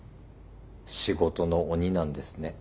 仕事の鬼なんですね。